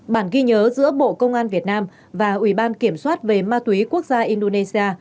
bản ghi nhớ giữa bộ công an việt nam và ủy ban kiểm soát về ma túy quốc gia indonesia